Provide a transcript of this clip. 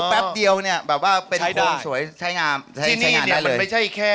ต้องเยี่ยมเลยที่นี่